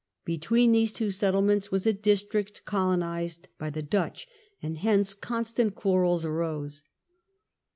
Between these two settlements was a district colonized by the Dutch, and hence constant quarrels arose.